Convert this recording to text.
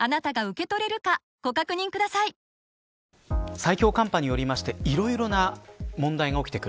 最強寒波によりましていろいろな問題が起きてくる。